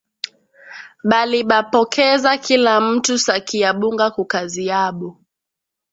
Bali bapokeza kila mutu saki ya bunga ku kazi yabo